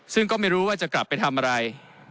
ซึ่งก็ไม่รู้ว่าจะกลับไปทำอะไร